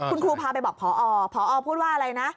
คุณครูพาไปบอกพอพอพูดว่าอะไรนะ